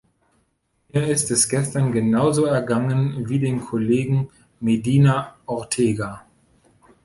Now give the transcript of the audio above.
Mir ist es gestern genauso ergangen wie dem Kollegen Medina Ortega.